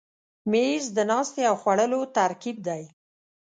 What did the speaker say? مېز د ناستې او خوړلو ترکیب دی.